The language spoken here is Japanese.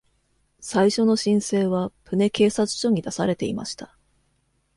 最初の申請はプネ警察署に出されていました。